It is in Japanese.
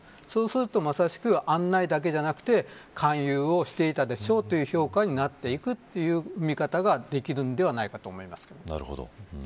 そうすると、まさしく案内だけでなくて勧誘をしていたでしょうという評価になっていくという見方ができるのではないかと思います。